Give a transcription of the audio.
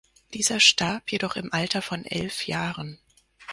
Dieser starb jedoch im Alter von elf Jahren.